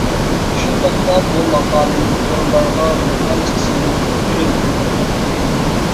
شۇنداقلا بۇ ماقالىنى تورلارغا بىر قانچە قىسىمغا بۆلۈپ يوللايمەن.